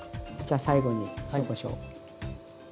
じゃあ最後に塩・こしょう。